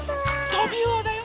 トビウオだよ！